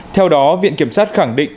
theo đó viện kiểm sát khẳng định